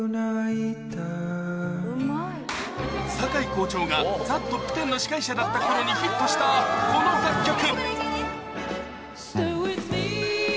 堺校長が『ザ・トップテン』の司会者だった頃にヒットしたこの楽曲